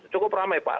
cukup ramai pak